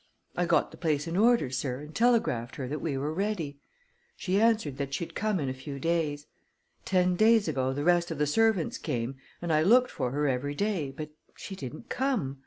I got the place in order, sir, and telegraphed her that we were ready. She answered that she'd come in a few days. Ten days ago the rest of the servants came, and I looked for her every day, but she didn't come.